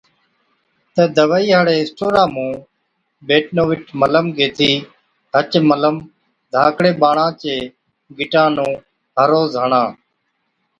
تہ دَوائِي هاڙي اِسٽورا مُون ’بيٽنوويٽ‘ ملم گيهٿِي هچ ملم ڌاڪڙي ٻاڙا چي گِٽان نُون هر روز هڻا۔